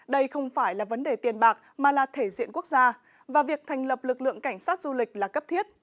đây không phải là vấn đề tiền bạc mà là thể diện quốc gia và việc thành lập lực lượng cảnh sát du lịch là cấp thiết